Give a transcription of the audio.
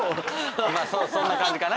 まあそんな感じかな。